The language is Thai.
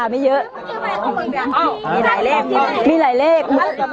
มีหลายเลข